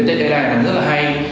tên ella này rất là hay